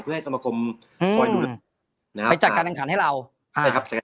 เพื่อให้สมาคมอืมนะครับไปจัดการดังขันให้เราใช่ครับ